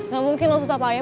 gak mungkin lah susah payah